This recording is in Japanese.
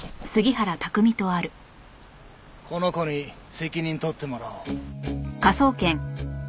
この子に責任取ってもらおう。